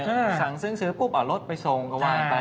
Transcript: อาหารส่งซื้อปุ๊บเอารถไปส่งการว่ายไป